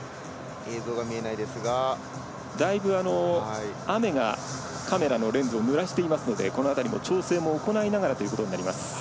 だいぶ雨がカメラのレンズぬらしていますのでこの辺りの調整も行いながらということになります。